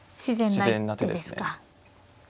自然な一手ですか。